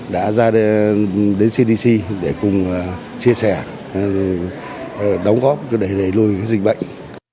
đến cdc để cùng chia sẻ đóng góp để lùi dịch bệnh